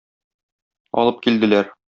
Алып килделәр.